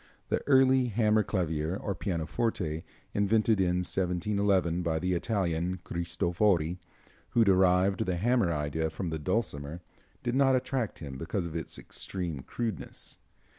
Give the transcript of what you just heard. The early hammer clavier, or pianoforte, invented in 1711, by the Italian Cristofori, who derived the hammer idea from the dulcimer, did not attract him because of its extreme crudeness.